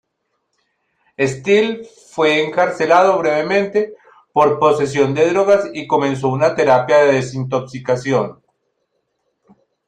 Steele fue encarcelado brevemente por posesión de drogas y comenzó una terapia de desintoxicación.